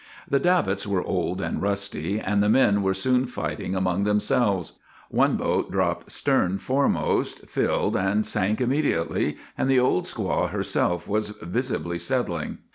" The davits were old and rusty, and the men were soon fighting among themselves. One boat dropped stern foremost, filled, and sank immedi ately, and the Old Squaw herself was visibly settling.